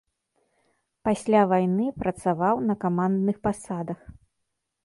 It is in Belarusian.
Пасля вайны працаваў на камандных пасадах.